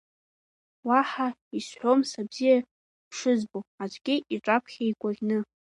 Уаҳа исҳәом са бзиа бшызбо, аӡәгьы иҿаԥхьа игәаӷьны…